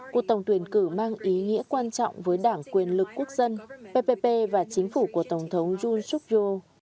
cuộc tổng tuyển cử mang ý nghĩa quan trọng với đảng quyền lực quốc dân ppp và chính phủ của tổng thống jun suk yo